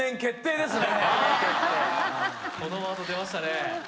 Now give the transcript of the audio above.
このワード出ましたね